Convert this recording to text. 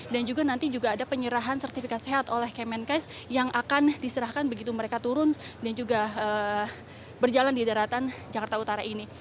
dan juga nanti juga ada penyerahan sertifikat sehat oleh kemenkes yang akan diserahkan begitu mereka turun dan juga berjalan di daratan jakarta utara ini